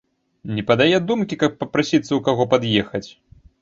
Не падае думкі, каб папрасіцца ў каго пад'ехаць.